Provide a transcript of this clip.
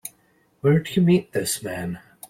Where'd you meet this man?